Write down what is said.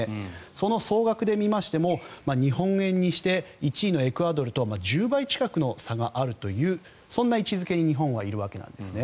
その総額で見ましても日本円にして１位のエクアドルとは１０倍近くの差があるというそんな位置付けに日本はいるわけなんですね。